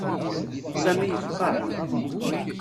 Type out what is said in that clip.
Sami yefqeɛ.